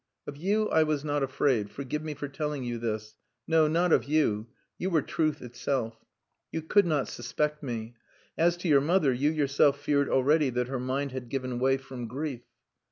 Of you, I was not afraid forgive me for telling you this. No, not of you. You were truth itself. You could not suspect me. As to your mother, you yourself feared already that her mind had given way from grief.